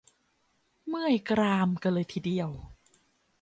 เมื่อยกรามกันเลยทีเดียว !